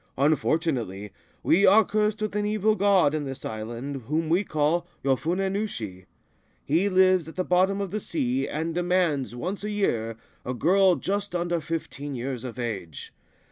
Unfortunately, we are cursed with an evil god in this island, whom we call Yofune Nushi. He lives at the bottom of the sea, and demands, once a year, a girl just under fifteen years of age.